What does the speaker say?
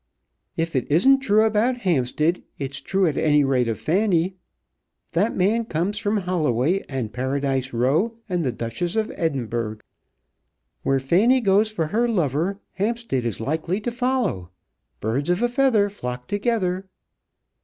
"If it isn't true about Hampstead it's true at any rate of Fanny. That man comes from Holloway, and Paradise Row and the 'Duchess of Edinburgh.' Where Fanny goes for her lover, Hampstead is likely to follow. 'Birds of a feather flock together.'"